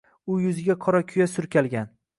U yuziga qorakuya surkalgan.